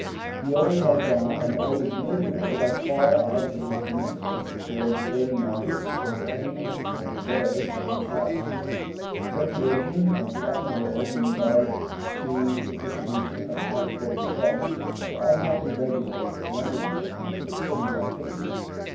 He always has gone and always will go as far as is permissible toward creating markets for any of the wares that he sells. Regulation of the upper world in regard to the distribution of habit forming drugs will automatically regulate the under world in its similar activities.